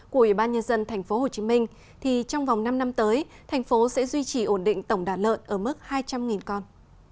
của ủy ban nhân dân tp hcm thì trong vòng năm năm tới thành phố sẽ duy trì ổn định tổng đàn lợn ở mức hai trăm linh con